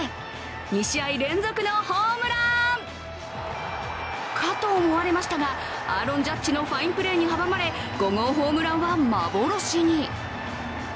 ２試合連続のホームランかと思われましたがアーロン・ジャッジのファインプレーに阻まれ５号ホームランは幻に。